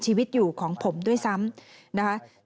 โหวตวันที่๒๒